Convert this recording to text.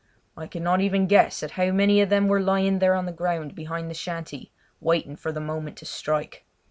I could not even guess at how many of them were lying there on the ground behind the shanty, waiting for the moment to strike.